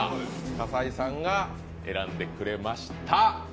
葛西さんが選んでくれました。